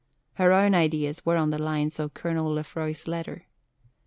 Her own ideas were on the lines of Colonel Lefroy's letter.